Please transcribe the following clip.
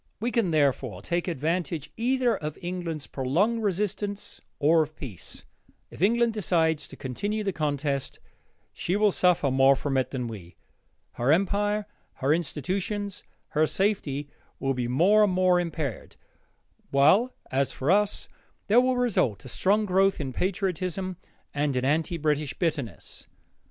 We can, therefore, take advantage either of England's prolonged resistance or of peace. If England decides to continue the contest, she will suffer more from it than we. Her empire, her institutions, her safety, will be more and more impaired, while, as for us, there will result a strong growth in patriotism and in anti British bitterness.